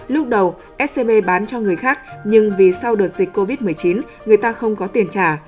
lúc đầu scb bán cho người khác nhưng vì sau đợt dịch covid một mươi chín người ta không có tiền trả